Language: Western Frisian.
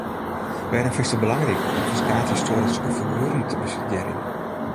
Wêrom fynst it belangryk om ferskate histoaryske figueren te bestudearjen?